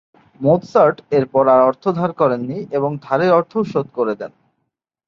Mozart এরপর আর অর্থ ধার করেননি এবং ধারের অর্থও শোধ করে দেন।